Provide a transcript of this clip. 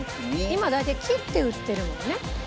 今大体切って売ってるもんね。